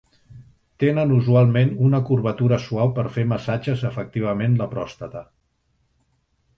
Tenen usualment una curvatura suau per fer massatges efectivament la pròstata.